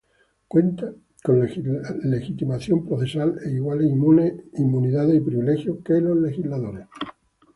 Cuenta con legitimación procesal e iguales inmunidades y privilegios que los legisladores.